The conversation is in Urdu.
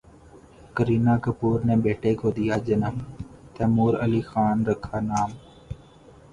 کرینہ کپور نے بیٹے کو دیا جنم، تیمور علی خان رکھا نام